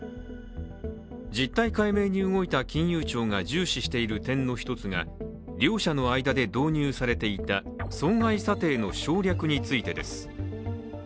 実態解明に動いた金融庁が重視している点の一つが両社の間で導入されていた損害査定の省略についてです。